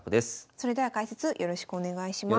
それでは解説よろしくお願いします。